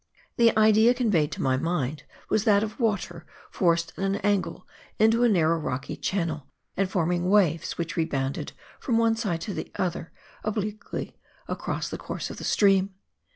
The idea conveyed to my mind was that of water forced at an angle into a narrow rocky channel, and forming waves which rebound from one side to the other, obliquely across the course of the stream.